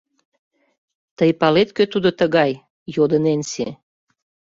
Тый палет, кӧ тудо тыгай? — йодо Ненси.